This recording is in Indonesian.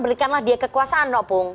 berikanlah dia kekuasaan dong pung